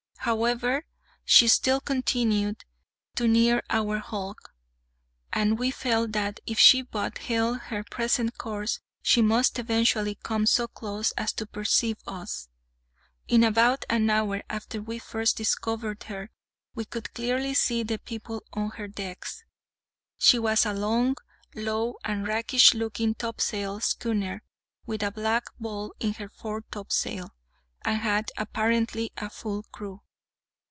However, she still continued to near our hulk, and we felt that, if she but held her present course, she must eventually come so close as to perceive us. In about an hour after we first discovered her, we could clearly see the people on her decks. She was a long, low, and rakish looking topsail schooner, with a black ball in her foretopsail, and had, apparently, a full crew.